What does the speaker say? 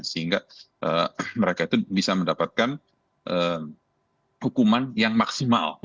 sehingga mereka itu bisa mendapatkan hukuman yang maksimal